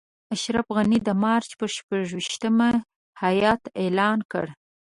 اشرف غني د مارچ پر شپږویشتمه هیات اعلان کړ.